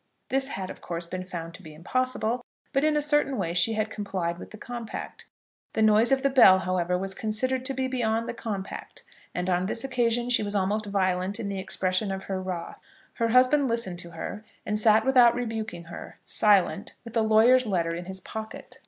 This had, of course, been found to be impossible, but in a certain way she had complied with the compact. The noise of the bell however, was considered to be beyond the compact, and on this occasion she was almost violent in the expression of her wrath. Her husband listened to her, and sat without rebuking her, silent, with the lawyer's letter in his pocket.